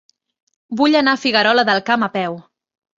Vull anar a Figuerola del Camp a peu.